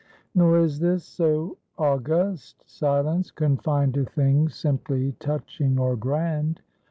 Nor is this so august Silence confined to things simply touching or grand.